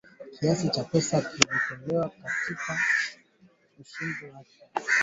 iliyoanzishwa mwishoni mwa mwaka jana dhidi ya waasi wa kiislam mashariki mwa Kongo msemaji wa mikakati hiyo alisema